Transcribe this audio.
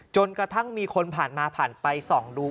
จนกระทั่งมีคนผ่านมาผ่านไปส่องดู